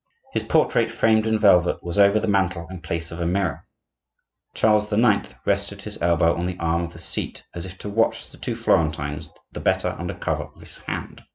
His portrait, framed in velvet, was over the mantle in place of a mirror. Charles IX. rested his elbow on the arm of the seat as if to watch the two Florentines the better under cover of his hand.